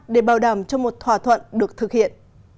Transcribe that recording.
để bảo đảm cho một thỏa thuận được thực hiện